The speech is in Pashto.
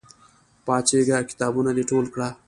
پاڅېږه! کتابونه د ټول کړه!